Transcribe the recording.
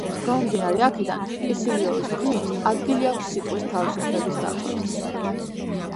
გამომდინარე აქედან, კისილიოვის თქმით, ადგილი აქვს სიტყვის თავისუფლების დარღვევას.